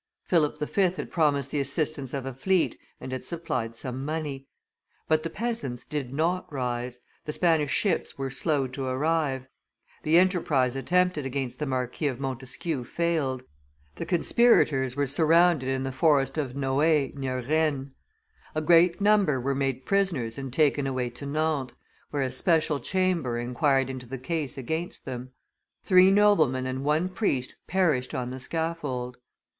Philip V. had promised the assistance of a fleet, and had supplied some money. But the peasants did not rise, the Spanish ships were slow to arrive, the enterprise attempted against the Marquis of Montesquiou failed, the conspirators were surrounded in the forest of Noe, near Rennes; a great number were made prisoners and taken away to Nantes, where a special chamber inquired into the case against them. Three noblemen and one priest perished on the scaffold.